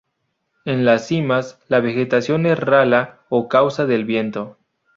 En las cimas, la vegetación es rala a causa del viento.